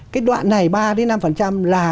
cái đoạn này ba năm là